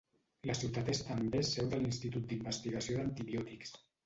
La ciutat és també seu de l'institut d'investigació d'antibiòtics.